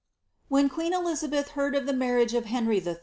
When queen Elizabeth heard of the marriage of Henry ITT.